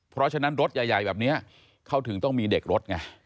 เพราะฉะนั้นรถใหญ่แบบนี้เขาถึงต้องมีเด็กรถไง